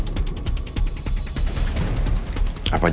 mampus sial ya pakiji